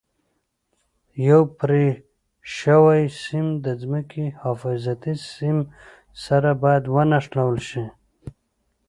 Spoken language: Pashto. یو پرې شوی سیم د ځمکې حفاظتي سیم سره باید ونښلول شي.